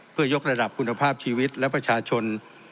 เพื่อยกระดับคุณภาพชีวิตและประชาชน